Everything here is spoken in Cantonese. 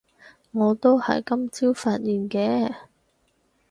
我都係今朝發現嘅